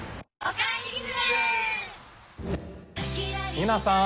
皆さん！